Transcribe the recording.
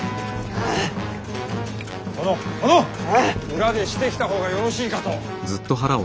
裏でしてきた方がよろしいかと。